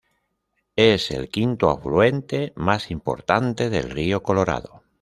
Es el quinto afluente más importante del río Colorado.